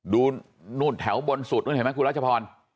ดูนู่นแถวบนสุดนู่นเห็นไหมคุณรัชพร